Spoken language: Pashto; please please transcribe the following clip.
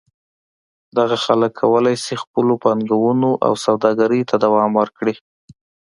دغه خلک کولای شي خپلو پانګونو او سوداګرۍ ته دوام ورکړي.